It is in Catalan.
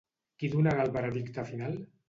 Qui donarà el veredicte final?